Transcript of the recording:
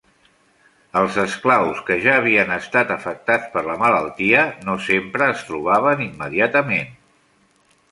Els esclaus que ja havien estat afectats per la malaltia no sempre es trobaven immediatament.